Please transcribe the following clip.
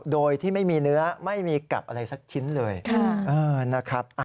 โดยที่ไม่มีเนื้อไม่มีกับอะไรสักชิ้นเลยนะครับ